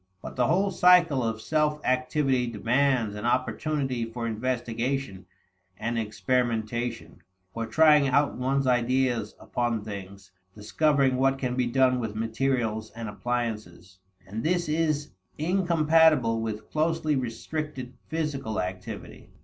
But the whole cycle of self activity demands an opportunity for investigation and experimentation, for trying out one's ideas upon things, discovering what can be done with materials and appliances. And this is incompatible with closely restricted physical activity.